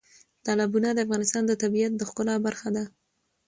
تالابونه د افغانستان د طبیعت د ښکلا برخه ده.